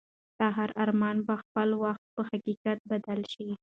ستا هر ارمان به په خپل وخت په حقیقت بدل شي.